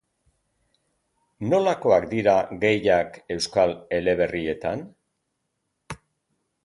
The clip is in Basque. Nolakoak dira gayak euskal eleberrietan?